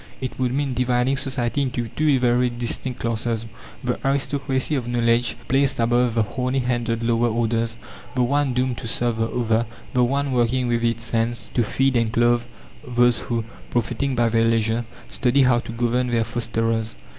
It would mean dividing society into two very distinct classes the aristocracy of knowledge placed above the horny handed lower orders the one doomed to serve the other; the one working with its hands to feed and clothe those who, profiting by their leisure, study how to govern their fosterers.